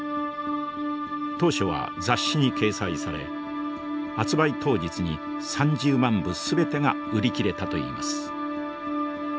当初は雑誌に掲載され発売当日に３０万部全てが売り切れたといいます。